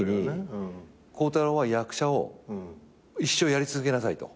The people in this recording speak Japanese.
「孝太郎は役者を一生やり続けなさい」と。